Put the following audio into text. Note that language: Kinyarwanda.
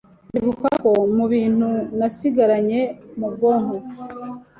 ndibuka ko mu bintu nasigaranye mu bwonko